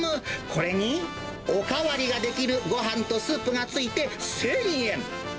これにお代わりができるごはんとスープが付いて１０００円。